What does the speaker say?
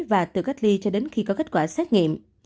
và từ cách ly cho đến khi có kết quả xét nghiệm